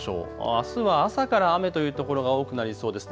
あすは朝から雨という所が多くなりそうです。